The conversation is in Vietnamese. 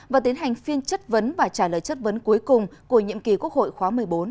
và tiến hành phiên chất vấn và trả lời chất vấn cuối cùng của nhiệm kỳ quốc hội khóa một mươi bốn